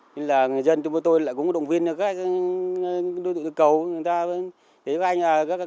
nhưng là người dân chúng tôi lại cũng động viên các đối tượng cây cầu